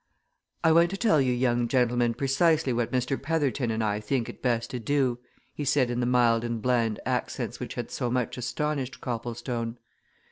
"I want to tell you young gentlemen precisely what Mr. Petherton and I think it best to do," he said in the mild and bland accents which had so much astonished Copplestone.